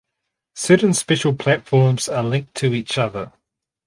Certain special platforms are linked to each other.